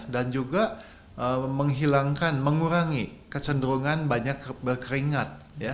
dan juga menghilangkan mengurangi kecenderungan banyak berkeringat